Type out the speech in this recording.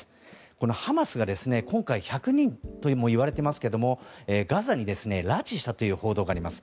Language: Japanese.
このハマスが今回１００人とも言われてますけども拉致したという報道があります。